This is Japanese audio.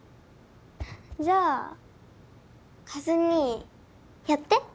じゃあ和兄やって。